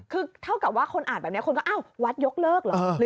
คือเท่ากับว่าคนอ่านแบบนี้คนก็อ้าววัดยกเลิกเหรอ